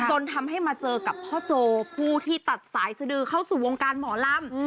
จนทำให้มาเจอกับพ่อโจผู้ที่ตัดสายสดือเข้าสู่วงการหมอลำ